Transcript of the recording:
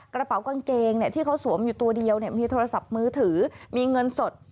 กระเป๋ากางเกงที่เขาสวมอยู่ตัวเดียวมีโทรศัพท์มือถือมีเงินสด